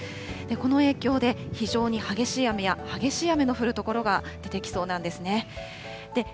この影響で非常に激しい雨や激しい雨の降る所が出てきそうなんですね。